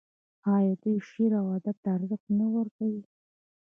آیا دوی شعر او ادب ته ارزښت نه ورکوي؟